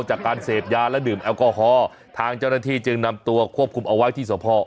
จากการเสพยาและดื่มแอลกอฮอล์ทางเจ้าหน้าที่จึงนำตัวควบคุมเอาไว้ที่สภ